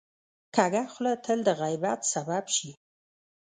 کوږه خوله تل د غیبت سبب شي